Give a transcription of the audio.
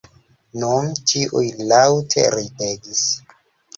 Nun ĉiuj laŭte ridegis.